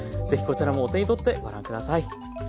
是非こちらもお手に取ってご覧下さい。